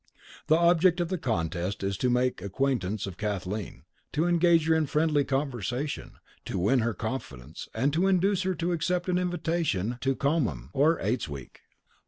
The object of the contest is to make the acquaintance of Kathleen; to engage her in friendly conversation; to win her confidence, and to induce her to accept an invitation to Commem, or Eights Week.